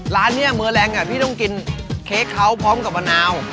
ร้านนี้มือแรงพี่ต้องกินเค้กเขาพร้อมกับมะนาว